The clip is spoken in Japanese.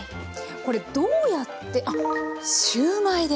これどうやってあっシューマイで。